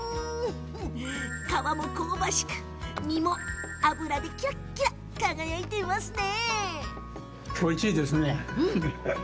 皮も香ばしく、身も脂でキラキラ輝いていますね。